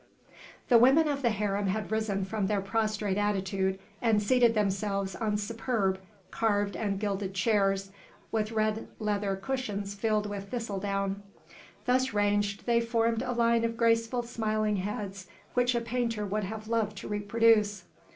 The women of the harem had risen from their prostrate attitude, and seated themselves on superb, carved and gilded chairs, with red leather cushions filled with thistle down. Thus ranged, they formed a line of graceful, smiling heads which a painter would have loved to reproduce.